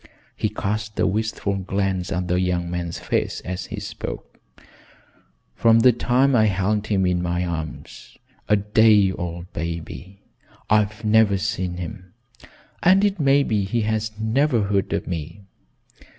He cast a wistful glance at the young man's face as he spoke. "From the time I held him in my arms, a day old baby, I've never seen him, and it may be he has never heard of me.